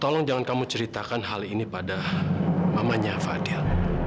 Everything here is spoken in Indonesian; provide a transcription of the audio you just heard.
tolong jangan kamu ceritakan hal ini pada mamanya fadil